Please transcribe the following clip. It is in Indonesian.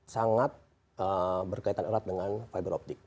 sangat berkaitan erat dengan fiberoptik